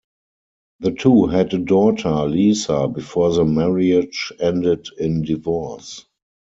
The two had a daughter, Lisa, before the marriage ended in divorce.